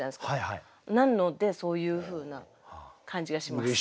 なのでそういうふうな感じがします。